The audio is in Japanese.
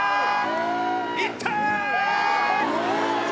いった！